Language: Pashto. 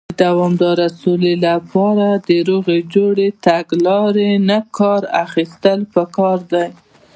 د دوامدارې سولې لپاره، د روغې جوړې تګلارې نۀ کار اخيستل پکار دی.